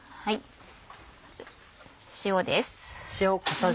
まず塩です。